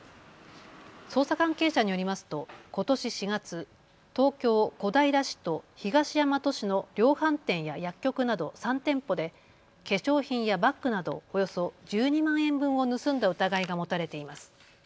捜査関係者によりますとことし４月、東京小平市と東大和市の量販店や薬局など３店舗で化粧品やバッグなどおよそ１２万円分を盗んだ疑いが持たれています。